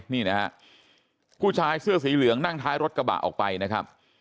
นี่นะฮะผู้ชายเสื้อสีเหลืองนั่งท้ายรถกระบะออกไปนะครับ